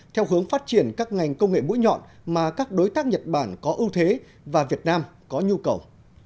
theo hướng phát triển các ngành công nghệ mũi nhọn mà các đối tác nhật bản có ưu thế và việt nam có nhu cầu